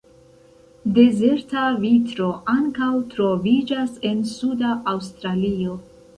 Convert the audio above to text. Dezerta vitro ankaŭ troviĝas en suda Aŭstralio.